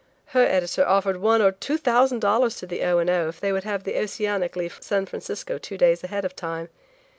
Her editor offered one or two thousand dollars to the O. and O. if they would have the Oceanic leave San Francisco two days ahead of time.